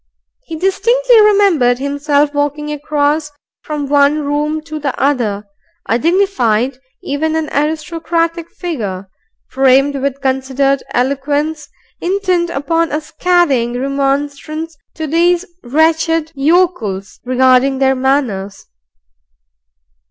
He distinctly remembered himself walking across from one room to the other, a dignified, even an aristocratic figure, primed with considered eloquence, intent upon a scathing remonstrance to these wretched yokels, regarding their manners.